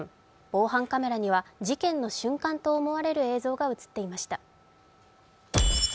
防犯カメラには事件の瞬間と思われる映像が映っていました。